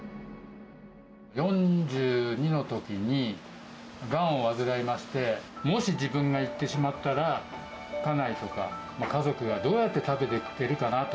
４２のときにがんを患いまして、もし自分が逝ってしまったら、家内とか、家族がどうやって食べていけるかなと。